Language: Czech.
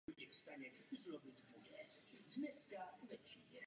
Do deblové soutěže tokijského tenisového turnaje nastoupilo šestnáct dvojic.